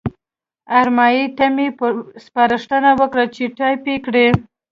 ارمایي ته مې سپارښتنه وکړه چې ټایپ یې کړي.